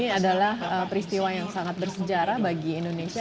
ini adalah peristiwa yang sangat bersejarah bagi indonesia